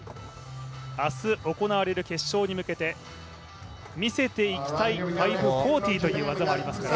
明日行われる決勝に向けて、見せていきたい、５４０という技もありますからね。